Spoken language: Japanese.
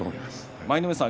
舞の海さん